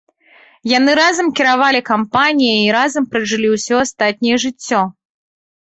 Яны разам кіравалі кампаніяй і разам пражылі усё астатняе жыццё.